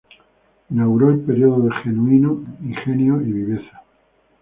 Inauguró el periodo de genuino ingenio y viveza.